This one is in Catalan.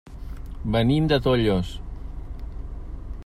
Venim de Tollos.